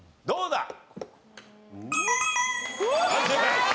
どうだ？